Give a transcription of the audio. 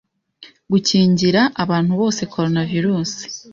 gukingira abantu bose Coronavirus